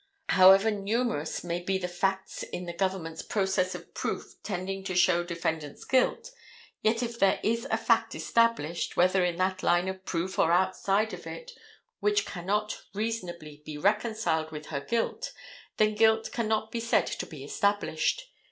However numerous may be the facts in the government's process of proof tending to show defendant's guilt, yet if there is a fact established—whether in that line of proof or outside of it—which cannot reasonably be reconciled with her guilt, then guilt cannot be said to be established.